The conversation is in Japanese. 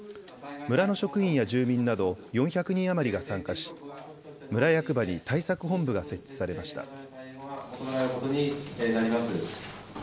村の職員や住民など４００人余りが参加し村役場に対策本部が設置されました。